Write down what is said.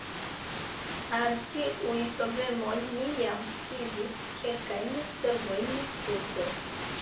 Al tiuj problemoj mi jam skizis kelkajn solvojn supre.